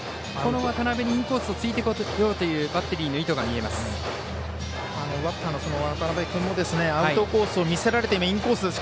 渡邊にインコースついていこうというバッテリーの意図が見えます。